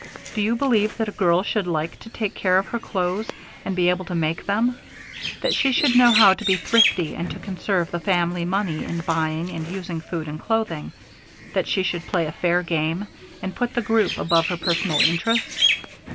Do you believe that a girl should like to take care of her clothes and be able to make them; that she should know how to be thrifty and to conserve the family money in buying and using food and clothing; that she should play a fair game and put the group above her personal interests?